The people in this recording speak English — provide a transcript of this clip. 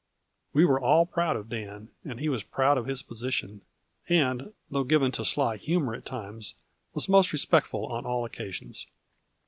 We were all proud of Dan, and he was proud of his position, and, though given to sly humor at times, was most respectful on all occasions.